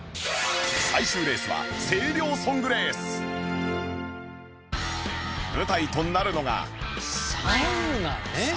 最終レースは舞台となるのが